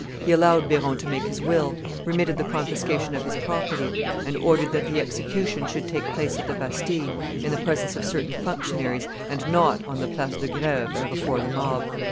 He allowed Biron to make his will, remitted the confiscation of his property, and ordered that the execution should take place at the Bastille, in the presence of certain functionaries, and not on the Place de Greve and before the mob.